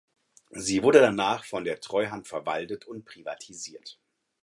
Sie wurde danach von der Treuhand verwaltet und privatisiert.